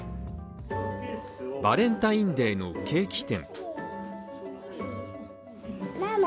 バレンタインデーのケーキ店。